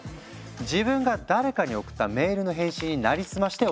自分が誰かに送ったメールの返信になりすまして送ってくるの。